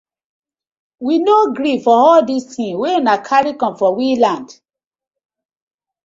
We no gree for all dis tinz wey una karry com for we land.